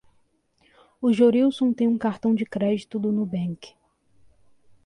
O Jorilson tem um cartão de crédito do Nubank.